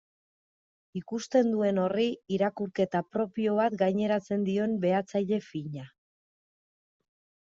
Ikusten duen horri irakurketa propio bat gaineratzen dion behatzaile fina.